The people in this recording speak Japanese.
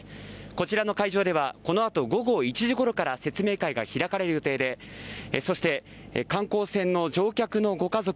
こちらの会場ではこの後、午後１時ごろから説明会が開かれる予定でそして観光船の乗客のご家族